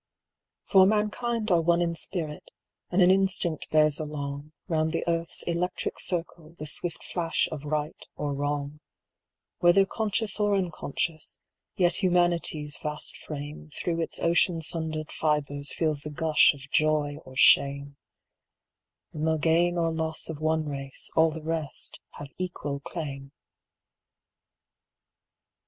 For mankind are one in spirit, and an instinct bears along, Round the earth's electric circle, the swift flash of right or wrong; Whether conscious or unconscious, yet Humanity's vast frame Through its ocean sundered fibres feels the gush of joy or shame;— In the gain or loss of one race all the rest have equal claim.